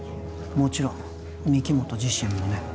もちろん御木本自身もね